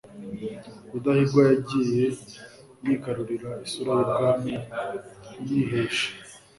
rudahigwa yagiye yigarurira isura ry'ubwami yihesha